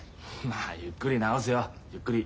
まあゆっくり治すよゆっくり。